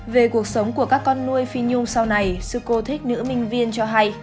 về cuộc sống của các con nuôi phi nhung sau này sư cô thích nữ minh viên cho hay